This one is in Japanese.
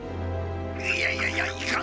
いやいやいやいかん！